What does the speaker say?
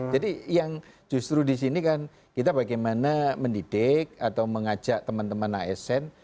jadi yang justru di sini kan kita bagaimana mendidik atau mengajak teman teman asn